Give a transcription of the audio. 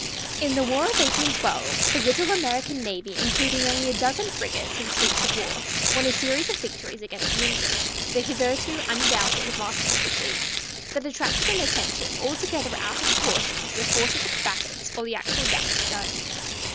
In the war of 1812 the little American navy, including only a dozen frigates and sloops of war, won a series of victories against the English, the hitherto undoubted masters of the sea, that attracted an attention altogether out of proportion to the force of the combatants or the actual damage done.